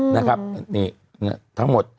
นะครับนี่ทั้งหมด